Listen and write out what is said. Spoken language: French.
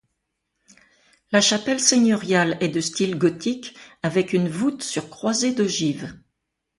La chapelle seigneuriale est de style gothique avec une voûte sur croisée d'ogives.